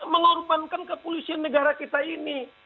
mengorbankan kepolisian negara kita ini